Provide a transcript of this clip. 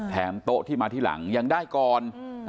โต๊ะที่มาที่หลังยังได้ก่อน